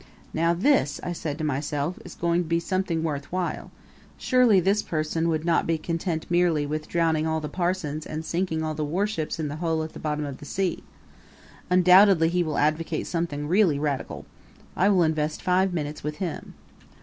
"Now this," I said to myself, "is going to be something worth while. Surely this person would not be content merely with drowning all the parsons and sinking all the warships in the hole at the bottom of the sea. Undoubtedly he will advocate something really radical. I will invest five minutes with him."